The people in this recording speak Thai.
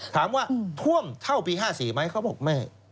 ถามว่าท่วมเท่าปี๕๔ไหมเขาบอกแม่